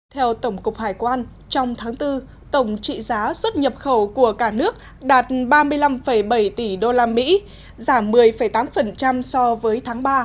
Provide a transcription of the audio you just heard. theo tổng cục hải quan trong tháng bốn tổng trị giá xuất nhập khẩu của cả nước đạt ba mươi năm bảy tỷ usd giảm một mươi tám so với tháng ba